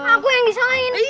aku yang disalahin